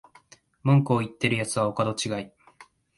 文句言ってるやつはお門違い